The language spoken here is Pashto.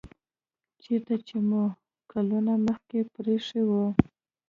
چیرته چې مو کلونه مخکې پریښی و